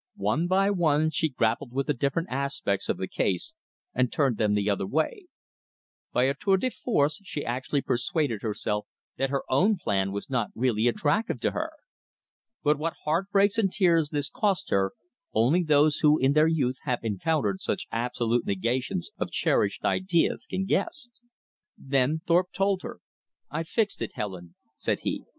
One by one she grappled with the different aspects of the case, and turned them the other way. By a tour de force she actually persuaded herself that her own plan was not really attractive to her. But what heart breaks and tears this cost her, only those who in their youth have encountered such absolute negations of cherished ideas can guess. Then Thorpe told her. "I've fixed it, Helen," said he.